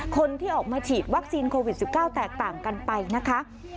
คนที่ออกมาฉีดวัคซีนโควิด๑๙แตกต่างกันไปนะคะ